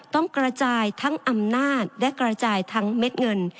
ต้องกระจายทั้งอำนาจและกระจายทั้งเม็ดเงิน